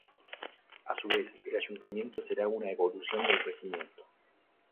A su vez, el ayuntamiento será una evolución del regimiento.